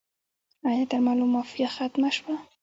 آیا د درملو مافیا ختمه شوه؟